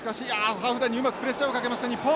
ハーフラインにうまくプレッシャーをかけました日本！